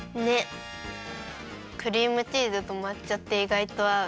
クリームチーズとまっ茶っていがいとあう。